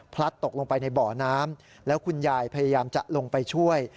ตกลงไปในบ่อน้ำแล้วคุณยายพยายามจะลงไปช่วย